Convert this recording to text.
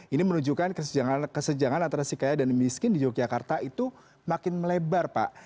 empat ratus lima puluh sembilan ini menunjukkan kesejangan kesejangan antara si kaya dan miskin di yogyakarta itu makin melebar pak